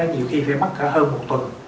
nhiều khi phải mắc cả hơn một tuần